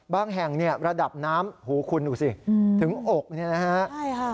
บางแห่งระดับน้ำหูคุณดูซิถึงอกนี่นะครับ